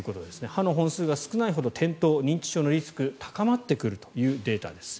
歯の本数が少ないほど転倒、認知症のリスクが高まってくるというデータです。